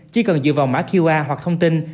chỉ cần dựa vào mã qr hoặc thông tin